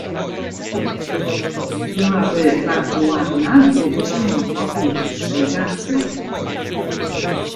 "byłaby bardzo ładna, gdyby się mogła ubierać z elegancją."